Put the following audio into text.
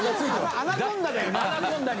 アナコンダだよな。